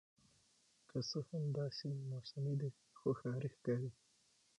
که څه هم دا سیمې موسمي دي خو ښاري ښکاري